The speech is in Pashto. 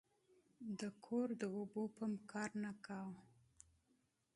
د کور د اوبو پمپ کار نه کاوه.